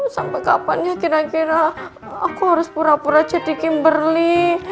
sampai kapan ya kira kira aku harus pura pura jadi kimberly